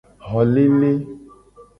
Xolele.